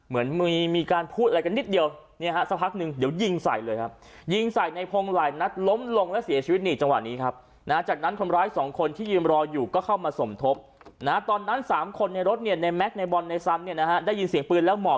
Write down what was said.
เหมือนมีมีการพูดอะไรกันนิดเดียวเนี่ยครับสักพักนึงเดี๋ยว